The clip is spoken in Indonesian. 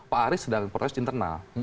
pak aris sedang proses internal